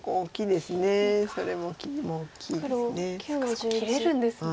そこ切れるんですね。